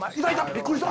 びっくりした。